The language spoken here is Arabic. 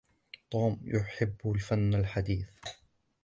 توم يحب الفن الحديث.